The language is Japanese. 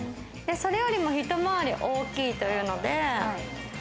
それよりもひと回り大きいというので。